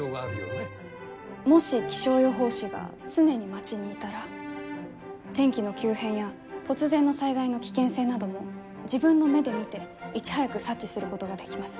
もし気象予報士が常に町にいたら天気の急変や突然の災害の危険性なども自分の目で見ていち早く察知することができます。